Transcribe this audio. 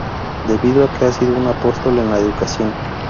Debido a que ha sido un apóstol en la educación.